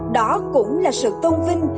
đó cũng là sự tôn vinh